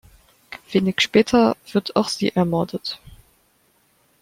Wenig später wird auch sie ermordet.